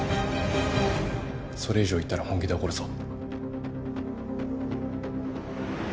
それ以上言ったら本気で怒るぞ。